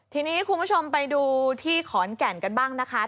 ทีนี้คุณผู้ชมไปดูที่ขอนแก่นกันบ้างนะคะ